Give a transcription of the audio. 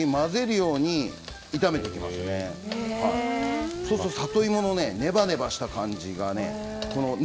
そうすると里芋のネバネバした感じがね